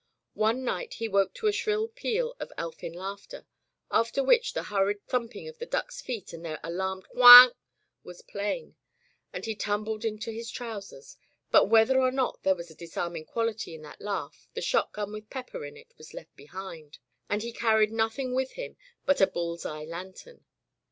One night he woke to a shrill peal of elfin laughter, after which the hurried thump ing of the ducks' feet and their alarmed "hwank" was plain, and he tumbled into his trousers, but whether or not there was a disarming quality in that laugh, the shot gun with pepper in it was left behind, and he carried nothing with him but a buUVeye lantern.